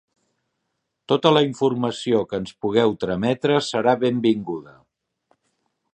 Tota la informació que ens pugueu trametre serà benvinguda.